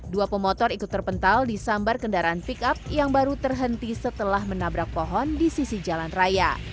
dua pemotor ikut terpental disambar kendaraan pick up yang baru terhenti setelah menabrak pohon di sisi jalan raya